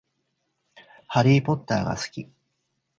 ハリーポッターが好き